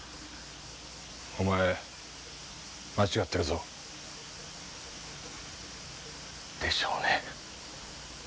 お前間違ってるぞ。でしょうね。